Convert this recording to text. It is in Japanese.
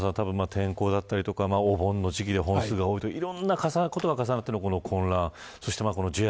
天候だったりとかお盆の時期や本数が多いとかいろんなことが重なっての混乱